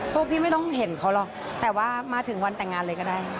พวกพี่ไม่ต้องเห็นเขาหรอกแต่ว่ามาถึงวันแต่งงานเลยก็ได้